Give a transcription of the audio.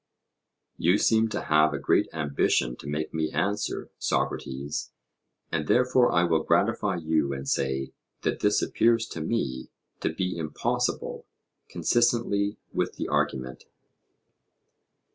You seem to have a great ambition to make me answer, Socrates, and therefore I will gratify you, and say, that this appears to me to be impossible consistently with the argument.